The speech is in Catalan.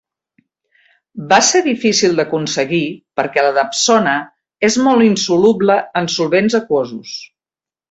Va ser difícil d'aconseguir perquè la dapsona és molt insoluble en solvents aquosos.